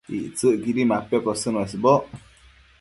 Ictsëcquidi mapiocosën uesboc